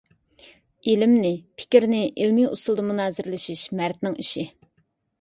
ئىلىمنى، پىكىرنى ئىلىمىي ئۇسۇلدا مۇنازىرىلىشىش مەردنىڭ ئىشى.